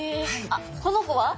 あっこの子は？